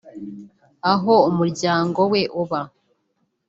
aho umuryango we uba